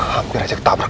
hampir aja ketabrak